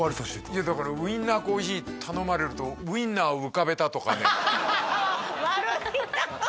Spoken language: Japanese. いやだからウインナコーヒー頼まれるとウインナーを浮かべたとかねハハハ！